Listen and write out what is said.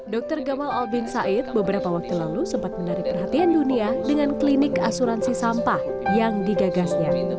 dr gamal albin said beberapa waktu lalu sempat menarik perhatian dunia dengan klinik asuransi sampah yang digagasnya